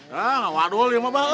hah waduh liat mah bang